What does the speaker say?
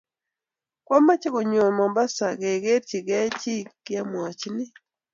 kwamache konyon mombasa kokerchi gei chi kiamuachini